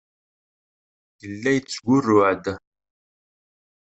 Yella yettgurruɛ-d.